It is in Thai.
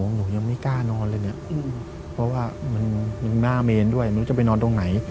หนูยังไม่กล้านอนเลยเนี่ยเพราะว่ามันหน้าเมนด้วยหนูจะไปนอนตรงไหน